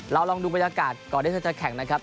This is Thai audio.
ลองดูบรรยากาศก่อนที่เธอจะแข่งนะครับ